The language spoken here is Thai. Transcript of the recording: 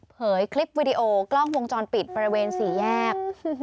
คลิปวิดีโอกล้องวงจรปิดบริเวณสี่แยก